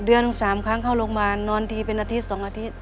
เดือน๓ครั้งเข้าโรงพยาบาลนอนทีเป็นอาทิตย์๒อาทิตย์